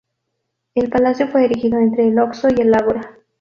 El palacio fue erigido entre el Oxo y el ágora.